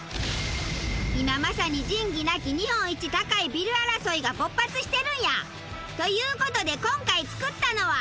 今まさに仁義なき日本一高いビル争いが勃発してるんや！という事で今回作ったのは。